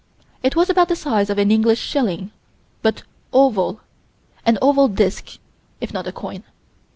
It was about the size of an English shilling, but oval an oval disk, if not a coin.